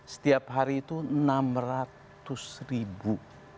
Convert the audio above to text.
setiap hari itu enam ratus ribu